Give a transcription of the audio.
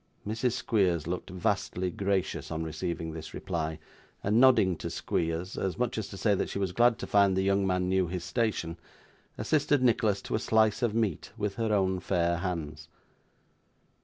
Mrs. Squeers looked vastly gracious on receiving this reply; and nodding to Squeers, as much as to say that she was glad to find the young man knew his station, assisted Nicholas to a slice of meat with her own fair hands.